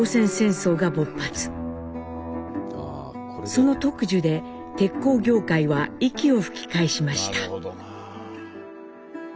その特需で鉄鋼業界は息を吹き返しました。